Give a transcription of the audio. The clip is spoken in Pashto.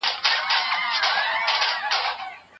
موږ باید د خپلو سپین ږیرو قدر وکړو ځکه هغوی برکت دی.